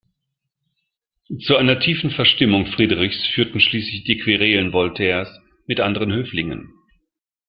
Zu einer tiefen Verstimmung Friedrichs führten schließlich die Querelen Voltaires mit anderen Höflingen.